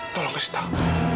tolong kasih tau